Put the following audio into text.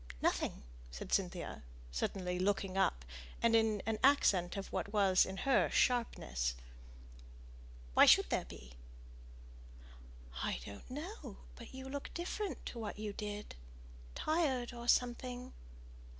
"Nothing," said Cynthia, suddenly looking up, and in an accent of what, in her, was sharpness. "Why should there be?" "I don't know; but you look different to what you did tired or something."